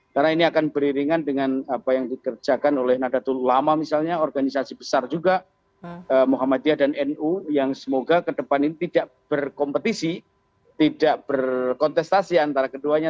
karena ini akan beriringan dengan apa yang dikerjakan oleh nadatul ulama misalnya organisasi besar juga muhammadiyah dan nu yang semoga kedepan ini tidak berkompetisi tidak berkontestasi antara keduanya